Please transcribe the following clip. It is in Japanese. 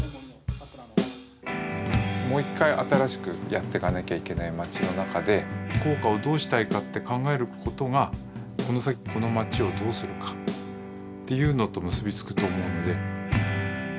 もう一回新しくやってかなきゃいけない町の中で校歌をどうしたいかって考えることがこの先この町をどうするかっていうのと結び付くと思うので。